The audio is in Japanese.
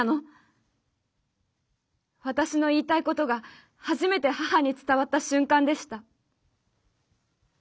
私の言いたいことが初めて母に伝わった瞬間でした。